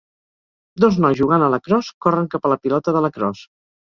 Dos nois jugant a lacrosse corren cap a la pilota de lacrosse.